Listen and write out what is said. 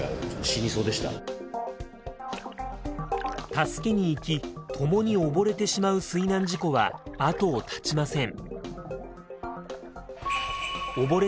助けに行き共に溺れてしまう水難事故は後を絶ちません。